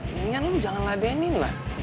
mendingan lu jangan ladenin lah